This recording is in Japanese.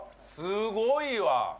すごいわ！